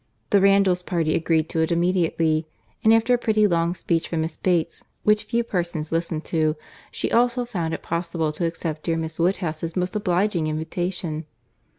The Randalls party agreed to it immediately; and after a pretty long speech from Miss Bates, which few persons listened to, she also found it possible to accept dear Miss Woodhouse's most obliging invitation.